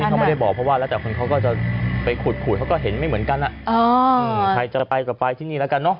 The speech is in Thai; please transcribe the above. เขาไม่ได้บอกเพราะว่าแล้วแต่คนเขาก็จะไปขุดเขาก็เห็นไม่เหมือนกันใครจะไปก็ไปที่นี่แล้วกันเนอ